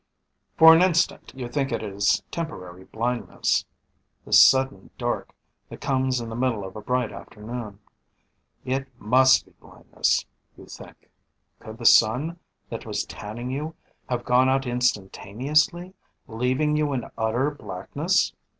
_ For an instant you think it is temporary blindness, this sudden dark that comes in the middle of a bright afternoon. It must be blindness, you think; could the sun that was tanning you have gone out instantaneously, leaving you in utter blackness?